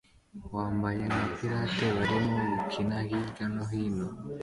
wambaye nka pirate barimo gukina hirya no hino